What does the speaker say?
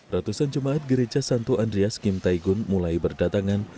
ratusan jemaat gereja santo andreas kim taigun mulai berdatangan